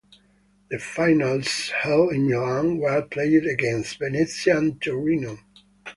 The finals, held in Milan, were played against Venezia and Torino.